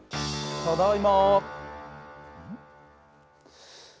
ただいま。